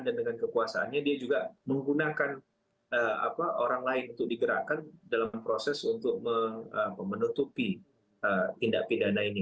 dan dengan kekuasaannya dia juga menggunakan orang lain untuk digerakkan dalam proses untuk menutupi tindak pidana ini